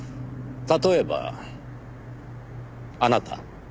例えばあなた。